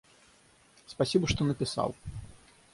Спасибо, что написал.